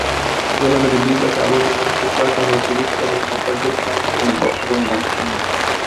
জলাধারের দুই পাশে আবর্জনার স্তূপ, রাখা হয়েছে রিকশাভ্যান, হকারদের ট্রাঙ্ক, বাক্স।